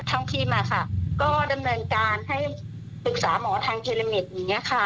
ทางพิมพ์ก็ดำเนินการให้ศึกษาหมอทางเทรมิตรอย่างนี้ค่ะ